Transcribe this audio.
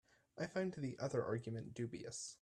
I find the other argument dubious.